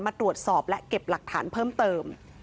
มาตรวจสอบและเก็บหลักฐานเพิ่มเติม